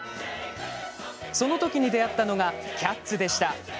そのときに出会ったのが「キャッツ」でした。